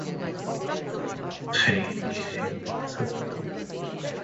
This is a list of online databases that publish funding opportunities.